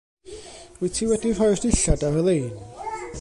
Wyt ti wedi rhoi'r dillad ar y lein?